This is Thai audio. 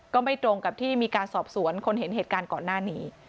ก็ไม่ตรงกับที่มีการสอบสวนคนเห็นเหตุการณ์ก่อนหน้านี้